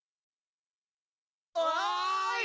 おい！